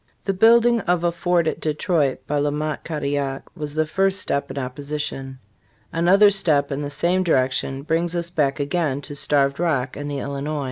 The building of a Fort at Detroit by La Mothe Cadillac was the first step in opposition. Another step in the same direction brings us back again to Starved Rock and the Illinois.